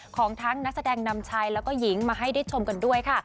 ของทั้งนักแสดงนำชายแล้วก็หญิงมาให้ได้ชมกันด้วยค่ะ